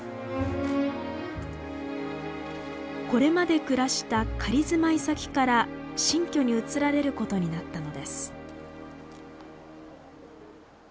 これまで暮らした仮住まい先から新居に移られることになったのです。